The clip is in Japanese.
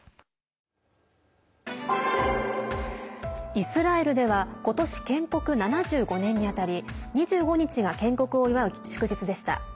イスラエルは今年建国７５年にあたり２５日が建国を祝う祝日でした。